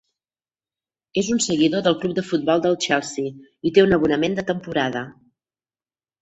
És un seguidor del club de futbol del Chelsea i té un abonament de temporada.